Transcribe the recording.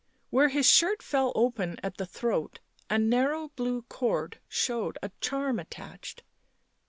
Where his shirt fell open at the throat a narrow blue cord showed a charm attached.